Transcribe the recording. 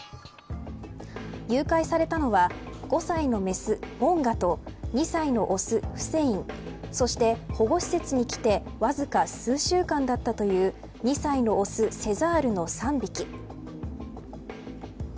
誘拐されたのは５歳のメス、モンガと２歳のオス、フセインとそして、保護施設に来てわずか９週間だったという２歳のオス、セザールの３匹。